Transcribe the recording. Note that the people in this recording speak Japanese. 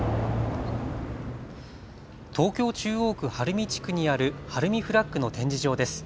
東京中央区晴海地区にある晴海フラッグの展示場です。